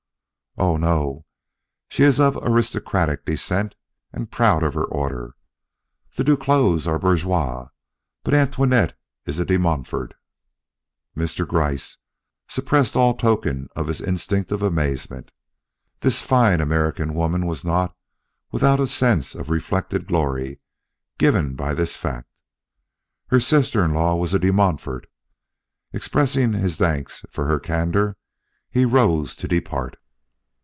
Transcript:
"Oh, no; she is of aristocratic descent and proud of her order. The Duclos are bourgeois, but Antoinette is a De Montfort." Mr. Gryce suppressed all token of his instinctive amazement. This fine American woman was not without a sense of reflected glory given by this fact. Her sister in law was a De Montfort! Expressing his thanks for her candor, he rose to depart.